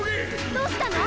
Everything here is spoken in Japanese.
どうしたの？